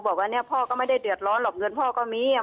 บอกว่าเนี่ยพ่อก็ไม่ได้เดือดร้อนหรอกเงินพ่อก็มีอ่ะ